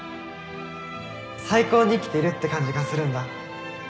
「最高に生きてるって感じがするんだ」